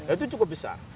itu cukup besar